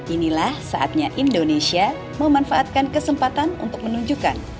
inilah saatnya indonesia memanfaatkan kesempatan untuk menunjukkan